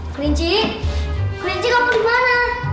kelinci kelinci kamu dimana